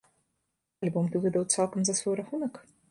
Альбом ты выдаў цалкам за свой рахунак?